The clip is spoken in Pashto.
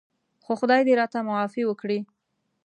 خو خدای دې راته معافي وکړي.